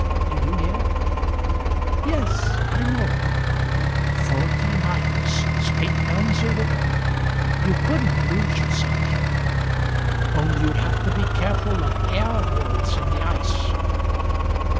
Do you hear?" "Yes I know " "Forty miles straight down the river. You couldn't lose yourself, Joan. Only you'd have to be careful of air holes in the ice."